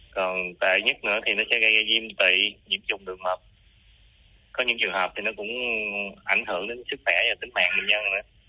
còn tệ nhất nữa thì nó sẽ gây ra diễm tị diễm trùng đường mập có những trường hợp thì nó cũng ảnh hưởng đến sức khỏe và tính mạng bệnh nhân